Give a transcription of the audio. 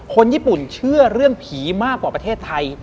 คนญี่ปุ่นเชื่อเรื่องผีมากกว่าประเทศไทย